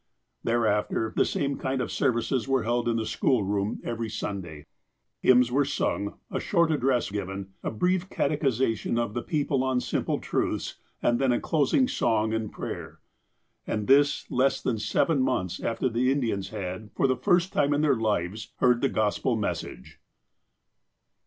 Thereafter the same kind of services were held in the schoolroom every Sunday. Hymns were sung, a short address given, a brief catechization of the people on simple truths, and then a closing song and prayer. And this less than seven months after the Indians had, for the first time in their lives, heard the Gospel message.